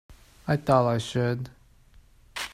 I thought I should.